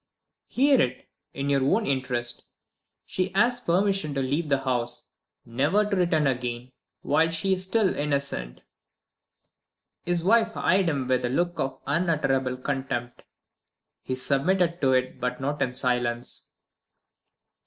"Hear it in your own interest. She asks permission to leave the house, never to return again. While she is still innocent " His wife eyed him with a look of unutterable contempt. He submitted to it, but not in silence.